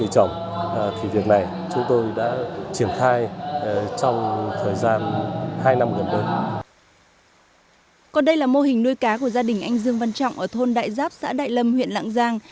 còn đây là mô hình nuôi cá của gia đình anh dương văn trọng ở thôn đại giáp xã đại lâm huyện lạng giang